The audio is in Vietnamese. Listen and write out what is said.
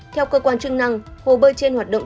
theo cơ quan chức năng hồ bơi trên hoạt động